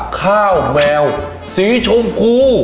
ข้าวแมวสีชมพู